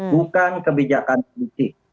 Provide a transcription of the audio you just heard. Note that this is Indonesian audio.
bukan kebijakan politik